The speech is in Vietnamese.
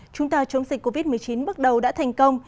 chúng ta chống dịch covid một mươi chín bước đầu đã thành công